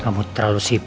al dan roy